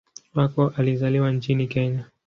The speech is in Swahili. Wako alizaliwa nchini Kenya.